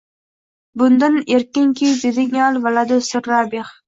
Mundin erkinki deding,,al valadu sirru abih’’